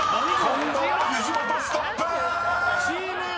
［今度は藤本ストップ！］チーム。